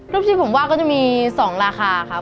ที่ผมว่าก็จะมี๒ราคาครับ